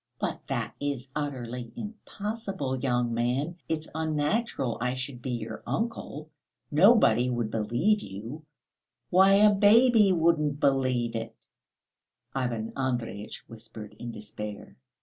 "But that is utterly impossible, young man; it's unnatural I should be your uncle. Nobody would believe you. Why, a baby wouldn't believe it," Ivan Andreyitch whispered in despair.